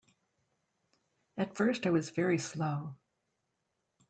At first I was very slow.